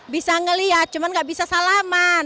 bisa melihat cuma tidak bisa salaman